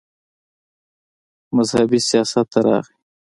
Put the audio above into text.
مذهبي سياست ته راغے